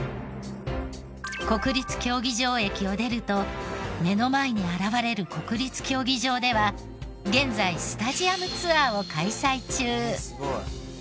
国立競技場駅を出ると目の前に現れる国立競技場では現在スタジアムツアーを開催中。